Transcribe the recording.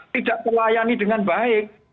tidak dilayani dengan baik